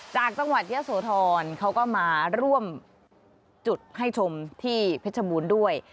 จากจังหวัดเยอะโสธรเขาก็มาร่วมจุดให้ชมที่เพชรบูรณ์ด้วย